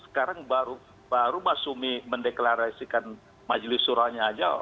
sekarang baru mas sumi mendeklarasikan majelis surahnya aja